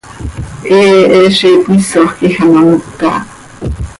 He Hezitmisoj quij ano moca ha.